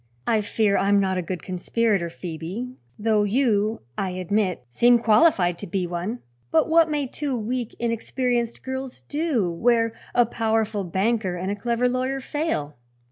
"I fear I am not a good conspirator, Phoebe; though you, I admit, seem qualified to be one. But what may two weak, inexperienced girls do, where a powerful banker and a clever lawyer fail?"